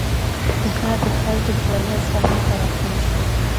د ښار د خلکو کورنۍ اصفهان ته راستانه شول.